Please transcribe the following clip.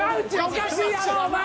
おかしいやろお前。